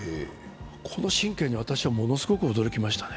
この神経に私はものすごく驚きましたね。